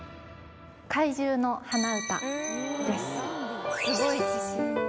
「怪獣の花唄」です